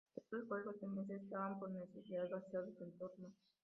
Estos juegos de mesa estaban, por necesidad, basados en turnos.